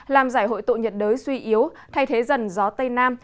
làm giải hội tụ nhiệt đới suy yếu thay thế dần gió tây nam